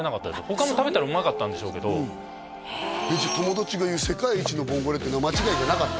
他も食べたらうまかったんでしょうけどじゃあ友達が言う世界一のボンゴレっていうのは間違いじゃなかった？